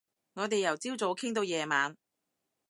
我哋由朝早傾到夜晚